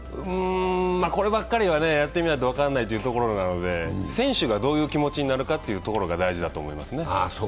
こればっかりはやってみないと分からないというところなので、選手がどういう気持ちになるかというところですね。